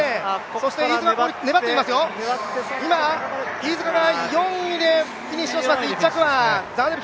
飯塚が４位でフィニッシュ、１着はザーネル